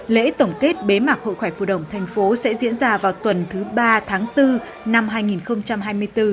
lễ tổng kết bế mạc hội khoẻ phù đồng tp sẽ diễn ra vào tuần thứ ba tháng bốn năm hai nghìn hai mươi bốn